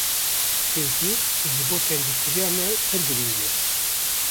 Fêkî ji bo tendirustiya me pir girîng e.